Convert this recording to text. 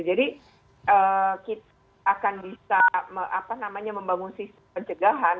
jadi kita akan bisa apa namanya membangun sistem pencegahan